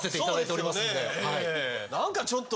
何かちょっと。